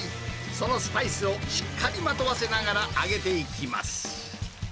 そのスパイスをしっかりまとわせながら揚げていきます。